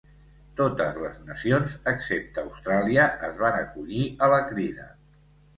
Totes les nacions, excepte Austràlia, es van acollir a la crida.